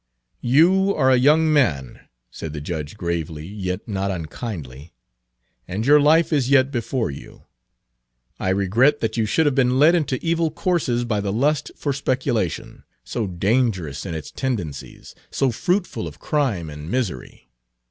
"You are a young man," said the judge gravely, yet not unkindly, "and your life is Page 310 yet before you. I regret that you should have been led into evil courses by the lust for speculation, so dangerous in its tendencies, so fruitful of crime and misery.